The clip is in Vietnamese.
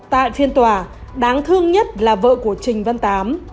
tại phiên tòa đáng thương nhất là vợ của trình văn tám